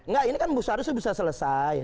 nggak ini kan harusnya bisa selesai